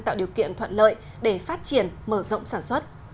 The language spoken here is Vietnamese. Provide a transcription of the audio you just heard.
tạo điều kiện thuận lợi để phát triển mở rộng sản xuất